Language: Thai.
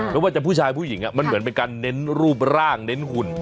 ไม่ว่าจะผู้ชายผู้หญิงมันเหมือนเป็นการเน้นรูปร่างเน้นหุ่น